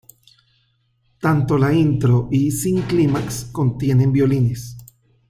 Tanto la intro y "Sin Climax" contienen violines.